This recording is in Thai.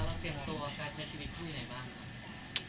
เราเตรียมตัวการใช้ชีวิตคู่ยังไงบ้างครับ